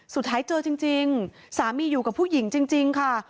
สุดท้ายเจอจริงสามีอยู่กับผู้หญิงจริงค่ะ